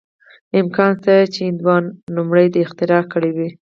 امکان شته چې هندوانو لومړی دا اختراع کړې وه.